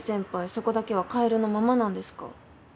そこだけはかえるのままなんですか。